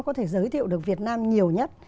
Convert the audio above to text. có thể giới thiệu được việt nam nhiều nhất